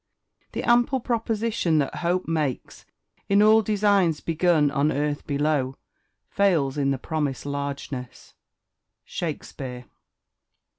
"The ample proposition that hope makes In all designs begun on earth below, Fails in the promised largeness." SHAKESPEARE.